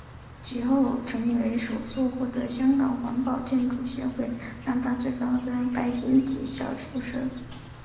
其后成为首座获得香港环保建筑协会颁发最高级的白金级别校舍。